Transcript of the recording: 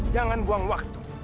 jangan buang waktu